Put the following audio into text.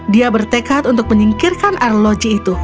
dia bertekad untuk menyingkirkan arloji itu